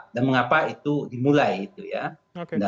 dan mengapa itu dimulai itu ya